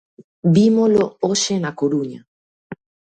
Vímolo hoxe na Coruña.